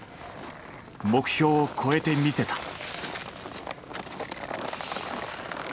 目標を超えてみせた。